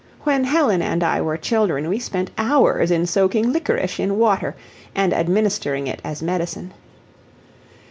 When Helen and I were children we spent hours in soaking liquorice in water and administering it as medicine.